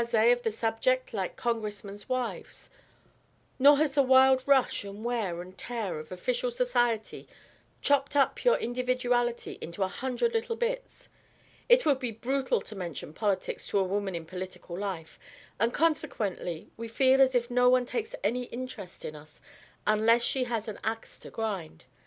_ of the subject like Congressmen's wives, nor has the wild rush and wear and tear of official society chopped up your individuality into a hundred little bits. It would be brutal to mention politics to a woman in political life, and consequently we feel as if no one takes any interest in us unless she has an axe to grind.